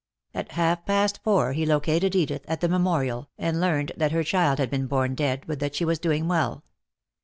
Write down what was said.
At half past four he located Edith at the Memorial, and learned that her child had been born dead, but that she was doing well.